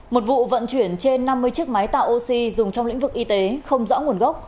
một vụ vận chuyển trên năm mươi chiếc máy tạo oxy dùng trong lĩnh vực y tế không rõ nguồn gốc